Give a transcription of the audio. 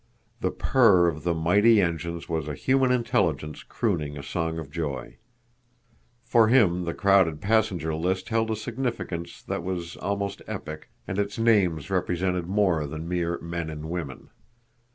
The purr of the mighty engines was a human intelligence crooning a song of joy. For him the crowded passenger list held a significance that was almost epic, and its names represented more than mere men and women.